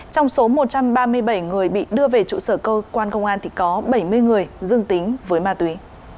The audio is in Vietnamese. trong số một trăm ba mươi bảy người bị đưa về trụ sở cơ quan công an thì có bảy mươi người dương tính với ma túy